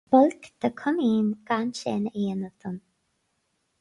B'olc do chomaoin gan sin a dhéanamh dom.